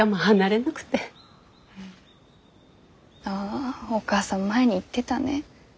ああお母さん前に言ってたね。